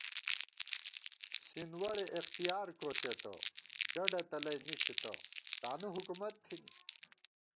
“ سِین وَڑے اِختِیار ” کوڅېتہ، ڈَڈہ تلَئ نِشِتہ، تانُو حُکُومت تھِنی